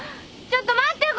ちょっと待ってよ